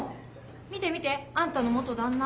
見て見て。あんたの元だんな。